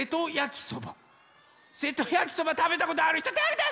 せとやきそばたべたことあるひとてあげて！